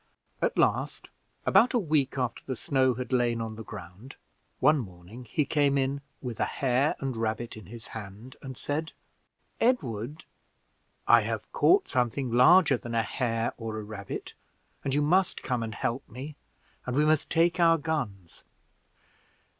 At last, about a week after the snow had laid on the ground, one morning he came in with a hare and rabbit in his hand, and said, "Edward, I have caught something larger than a hare or a rabbit, and you must come and help me, and we must take our guns.